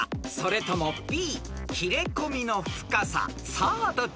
［さあどっち？］